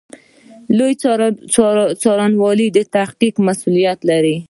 لوی څارنوالي د تحقیق مسوولیت لري